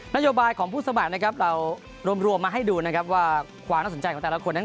นโยบายของผู้สมัครนะครับเรารวมมาให้ดูนะครับว่าความน่าสนใจของแต่ละคนนั้น